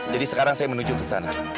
jadi sekarang saya menuju ke sana